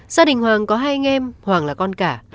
gia đình hoàng có hai anh em hoàng là con cả